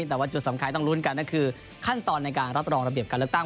แต่ว่าจุดสำคัญต้องลุ้นกันก็คือขั้นตอนในการรับรองระเบียบการเลือกตั้ง